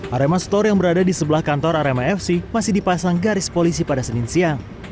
arema store yang berada di sebelah kantor arema fc masih dipasang garis polisi pada senin siang